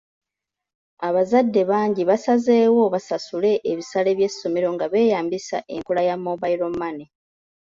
Abazadde bangi basazeewo basasule ebisale by'essomero nga beeyambisa enkola ya mobile money.